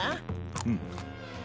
うん。